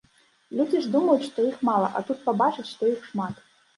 Людзі ж думаюць, што іх мала, а тут пабачаць, што іх шмат.